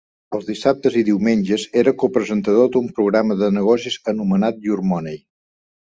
Els dissabtes i diumenges era copresentador d'un programa de negocis anomenat "Your Money".